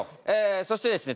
そしてですね